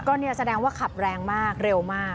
ก็เนี่ยแสดงว่าขับแรงมากเร็วมาก